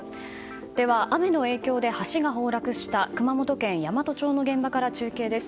では、雨の影響で橋が崩落した熊本県山都町の現場から中継です。